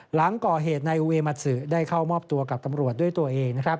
หลังก่อเหตุนายเวมัสซึได้เข้ามอบตัวกับตำรวจด้วยตัวเองนะครับ